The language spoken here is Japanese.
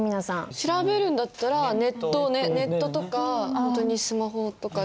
調べるんだったらネットとかほんとにスマホとかで。